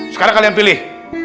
sekarang kalian pilih